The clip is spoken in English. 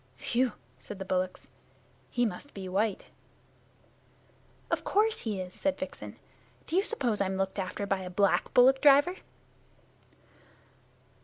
"Phew!" said the bullocks. "He must be white!" "Of course he is," said Vixen. "Do you suppose I'm looked after by a black bullock driver?"